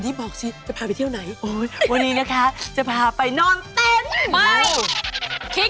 ท่ามกลางขุนเขานะคะอยู่ในบรรยากาศดี